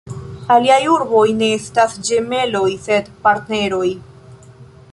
Aliaj urboj ne estas ĝemeloj sed partneroj.